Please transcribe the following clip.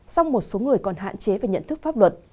song một số người còn hạn chế về nhận thức pháp luật